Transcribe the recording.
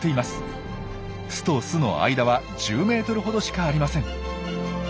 巣と巣の間は１０メートルほどしかありません。